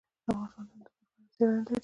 افغانستان د هندوکش په اړه څېړنې لري.